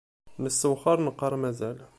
Nessewxar neqqar mazal.